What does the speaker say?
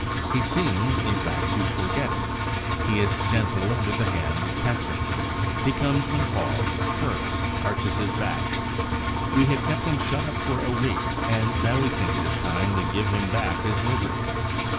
He seems, in fact, to forget it: he is gentle under the hand that pets him, he comes when called, purrs, arches his back. We have kept him shut up for a week, and now we think it is time to give him back his liberty.